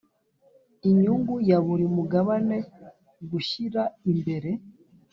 Inyungu ya buri mugabane gushyira mbere